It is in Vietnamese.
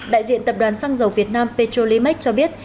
đại diện tập đoàn xăng dầu việt nam petrolimax cho biết